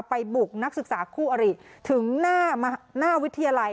บุกนักศึกษาคู่อริถึงหน้าวิทยาลัย